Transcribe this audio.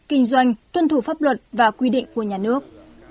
kinh doanh tuân thủ pháp luật và quy định của nhà nước